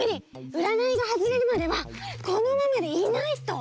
うらないがはずれるまではこのままでいないと。